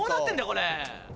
これ！